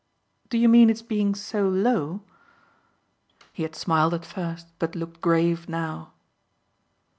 "Do you mean its being so low?" He had smiled at first but looked grave now.